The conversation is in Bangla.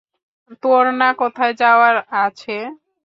তোর না কোথায় যাওয়ার আছে?